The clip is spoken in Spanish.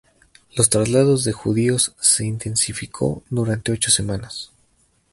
Los traslados de judíos se intensificó durante ocho semanas.